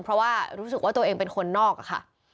เพราะว่ารู้สึกว่าตัวเองเป็นคนนอกอะค่ะ